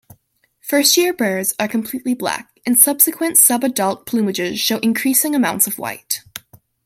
First-year birds are completely black, and subsequent sub-adult plumages show increasing amounts of white.